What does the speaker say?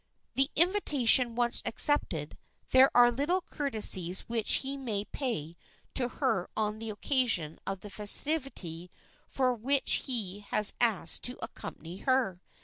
The invitation once accepted, there are little courtesies which he may pay to her on the occasion of the festivity for which he has asked to accompany her.